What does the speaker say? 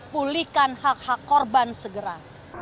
pulihkan hak hak korban segera